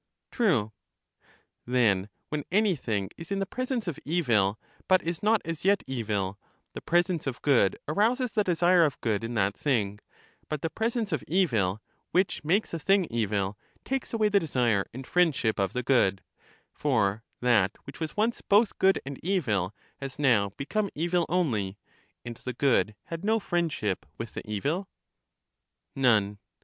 Tme. Then when anything is in the presence of evil, but is not as yet evil, the presence of good arouses the desire of good in that thing ; but the presence of evil, which makes a thing evil, takes away the desire and friendship of the good ; for that which was once both good and evil has now become evil only, and the good had no friendship with the evil? None.